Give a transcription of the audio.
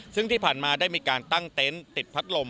ซึ่งที่ผ่านมาได้มีการตั้งเต็นต์ติดพัดลม